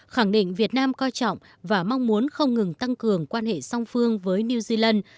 khẳng định việt nam coi trọng và mong muốn không ngừng tăng cường quan hệ song phương với new zealand